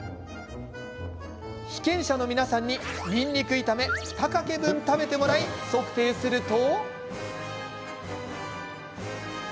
被験者の皆さんににんにく炒め２かけ分食べてもらい測定すると。